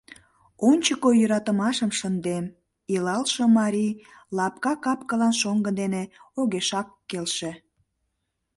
Ончыко йӧратымашым шындем, — илалше марий лапка кап-кылан шоҥго дене огешак келше.